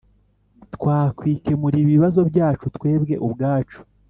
Twakwikemurira ibibazo byacu twebwe ubwacu